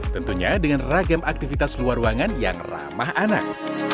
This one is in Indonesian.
tentunya dengan ragam aktivitas luar ruangan yang ramah anak